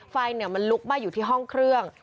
ไฟมันลุกไหม้อยู่ที่ห้องเครื่อง